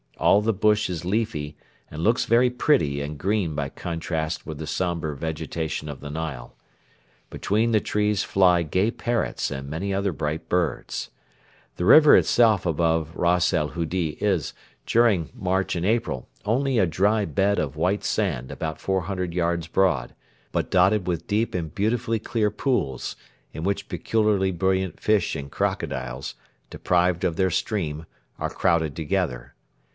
All the bush is leafy, and looks very pretty and green by contrast with the sombre vegetation of the Nile. Between the trees fly gay parrots and many other bright birds. The river itself above Ras el Hudi is, during March and April, only a dry bed of white sand about 400 yards broad, but dotted with deep and beautifully clear pools, in which peculiarly brilliant fish and crocodiles, deprived of their stream, are crowded together.